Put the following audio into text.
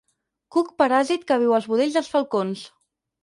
Cuc paràsit que viu als budells dels falcons.